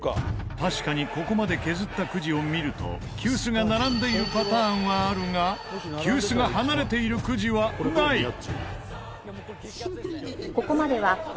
確かにここまで削ったくじを見ると急須が並んでいるパターンはあるが急須が離れているくじはない。